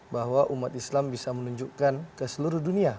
bahwa umat islam bisa menunjukkan ke seluruh dunia